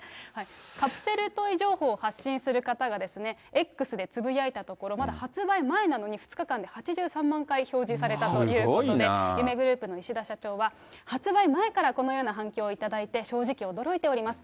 カプセルトイ情報を発信する方がですね、Ｘでつぶやいたところ、まだ発売前なのに２日間で８３万回表示されたということで、夢グループの石田社長は、発売前からこのような反響をいただいて、正直驚いております。